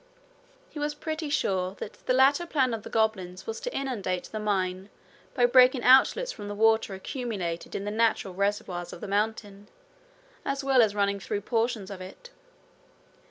He was pretty sure that the latter plan of the goblins was to inundate the mine by breaking outlets for the water accumulated in the natural reservoirs of the mountain, as well as running through portions of it.